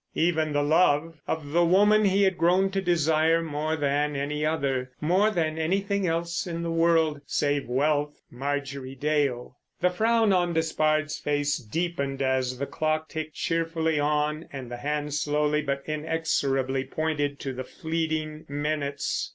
Even the love of the woman he had grown to desire more than any other, more than anything else in the world, save wealth—Marjorie Dale. The frown on Despard's face deepened as the clock ticked cheerfully on and the hands slowly but inexorably pointed to the fleeting minutes.